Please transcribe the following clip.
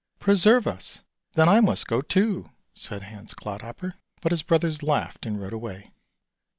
" Preserve us! then I must go too," said Hans Clodhopper. But his brothers laughed and rode away.